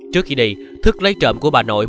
trước khi đi thức lấy trộm của bà nội